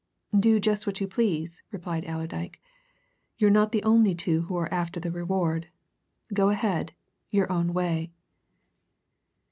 "Do just what you please," replied Allerdyke. "You're not the only two who are after that reward. Go ahead your own way."